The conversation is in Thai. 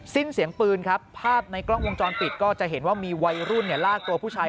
สิ้นเสียงปืนครับภาพในกล้องวงจรปิดก็จะเห็นว่ามีวัยรุ่นลากตัวผู้ชาย